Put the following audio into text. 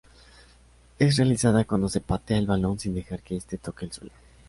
Es realizada cuando se patea el balón sin dejar que este toque el suelo.